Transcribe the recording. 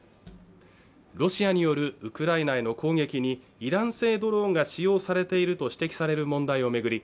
ロシアによるウクライナへの攻撃にイラン製ドローンが使用されていると指摘される問題を巡り